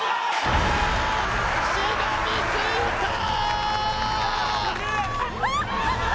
しがみついたー！！